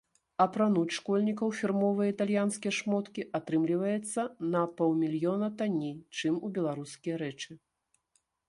Апрануць школьніка ў фірмовыя італьянскія шмоткі атрымліваецца на паўмільёна танней, чым у беларускія рэчы.